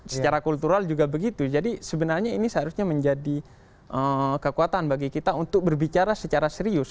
secara kultural juga begitu jadi sebenarnya ini seharusnya menjadi kekuatan bagi kita untuk berbicara secara serius